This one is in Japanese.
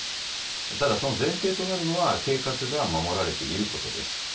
ただその前提となるのは計画が守られていることです。